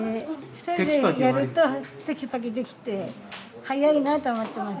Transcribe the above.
２人でやるとテキパキできて速いなと思ってます。